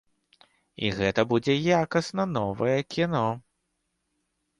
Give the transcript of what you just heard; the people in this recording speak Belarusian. І гэта будзе якасна новае кіно.